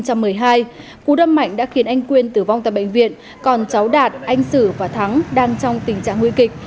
cú đâm mạnh đã khiến anh quyên tử vong tại bệnh viện còn cháu đạt anh sử và thắng đang trong tình trạng nguy kịch